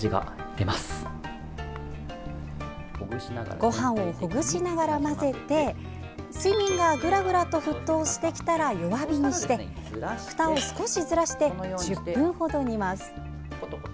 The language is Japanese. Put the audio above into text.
ごはんをほぐしながら混ぜ水面がぐらぐらと沸騰してきたら弱火にして、ふたを少しずらして１０分ほど煮ます。